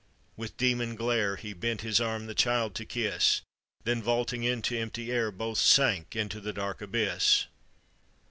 With demon g^ire, He bent his arm the child to kiss, Then vaulting into empty air, Both sank into the dark abyss